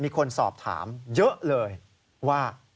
มีคนสอบถามเยอะเลยว่า